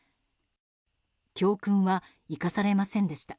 教訓は生かされませんでした。